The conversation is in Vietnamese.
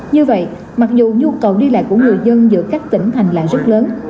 như vậy mặc dù nhu cầu đi lại của người dân giữa các tỉnh hành lại rất lớn